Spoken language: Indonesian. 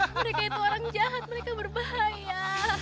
mereka itu orang jahat mereka berbahaya